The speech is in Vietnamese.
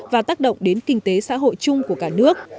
và tác động đến kinh tế xã hội chung của cả nước